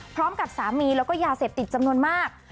พร้อมกับสามีแล้วก็ยาเสพติดจำนวนมาก